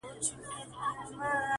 بار چي خر نه وړي، نو په خپله به ئې وړې.